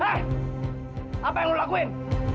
hei apa yang kamu lakukan